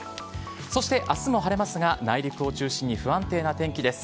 そして、あすも晴れますが、内陸を中心に不安定な天気です。